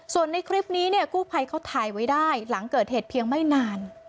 ส่วนในคลิปนี้เนี่ยกู้ภัยเขาถ่ายไว้ได้หลังเกิดเหตุเพียงไม่นาน